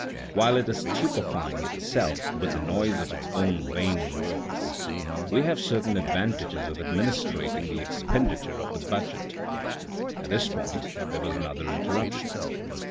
While it is stupefying itself with the noise of its own vain words, we have certain advantages of administrating the expenditure of the budget." At this point there was another interruption.